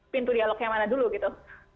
pintu dialog yang mana dulu gitu